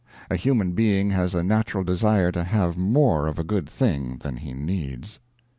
A human being has a natural desire to have more of a good thing than he needs.